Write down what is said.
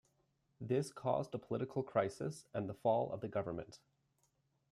This caused a political crisis, and the fall of the government.